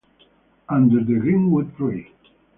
Under the Greenwood Tree